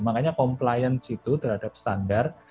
makanya compliance itu terhadap standar